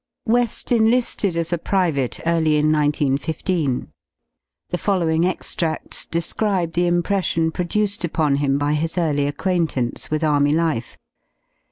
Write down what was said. JVeSl enliiUd as a private early in 1 9 1 5. The following extrads describe the impression produced upon him by his early acquaintance with Army life.